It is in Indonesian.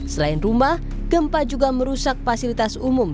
selain rumah gempa juga merusak fasilitas umum